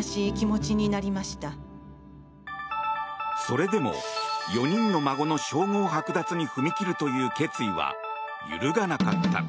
それでも、４人の孫の称号剥奪に踏み切るという決意は揺るがなかった。